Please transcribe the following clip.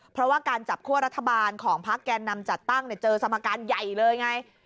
เพราะว่าการจับคั่วรัฐบาลของพักแกนนำจัดตั้งเจอสมการใหญ่เลยไง